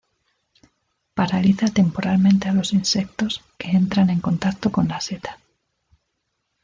Paraliza temporalmente a los insectos que entran en contacto con la seta.